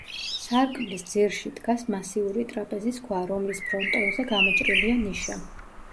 სარკმლის ძირში დგას მასიური ტრაპეზის ქვა, რომლის ფრონტონზე გამოჭრილია ნიშა.